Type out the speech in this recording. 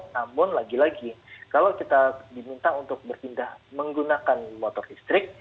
namun lagi lagi kalau kita diminta untuk berpindah menggunakan motor listrik